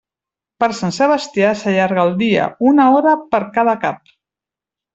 Per Sant Sebastià s'allarga el dia, una hora per cada cap.